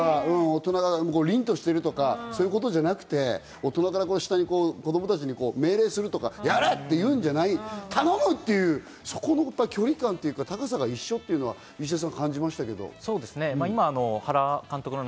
大人が凛としているとか、そういうことじゃなくて、大人から子供たちに命令するとか、やれ！っていうんじゃなくて、頼むっていうその距離感、高さが一緒っていうのは感じました。